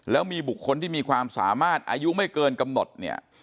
แล้วมีบุคคลที่มีความสามารถอายุไม่เกินกำหนดเนี่ย